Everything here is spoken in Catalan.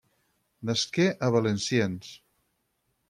Nasqué a Valenciennes.